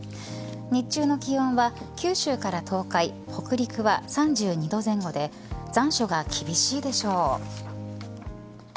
日中の気温は九州から東海北陸は３２度前後で残暑が厳しいでしょう。